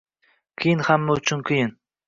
qiyin Hamma uchun qiyin